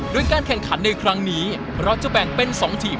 โดยการแข่งขันในครั้งนี้เราจะแบ่งเป็น๒ทีม